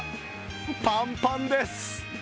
パンパンです。